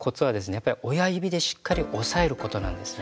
やっぱり親指でしっかり押さえることなんですね。